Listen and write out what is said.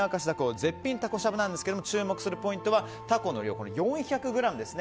絶品たこしゃぶセットなんですが注目するポイントはタコの量が４００ｇですね。